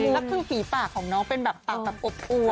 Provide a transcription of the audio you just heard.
แล้วคือฝีปากของน้องเป็นแบบปากแบบอบอวน